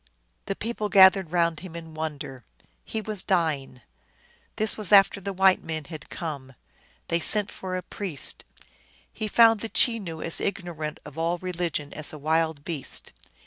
The people gathered round him in wonder. He was dying. This was after the white men had come. They sent for a priest. He found the Chenoo as ignorant of all religion as a wild beast.